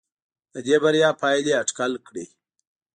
د دې بریا پایلې اټکل کړي.